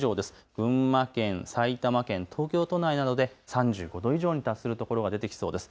群馬県、埼玉県東京都内などで３５度以上に達するところが出てきそうです。